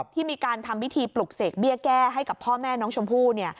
ที่มีการทำพิธีปลุกเสกเบี้ยแก้ให้กับพ่อแม่น้องชมพู่